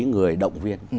người động viên